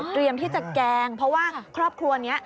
ที่จะแกล้งเพราะว่าครอบครัวนี้